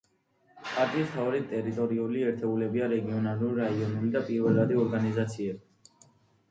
პარტიის მთავარი ტერიტორიული ერთეულებია რეგიონული, რაიონული და პირველადი ორგანიზაციები.